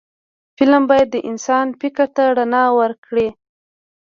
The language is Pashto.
فلم باید د انسان فکر ته رڼا ورکړي